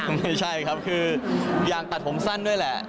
ไม่ใช่ครับคืออยากตัดผมสั้นด้วยแหละ